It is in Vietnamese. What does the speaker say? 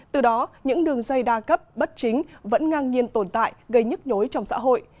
từ đó những đường dây đa cấp bất chính vẫn ngang nhiên tồn tại gây nhức nhối trong xã hội